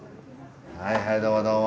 はいはいどうもどうも。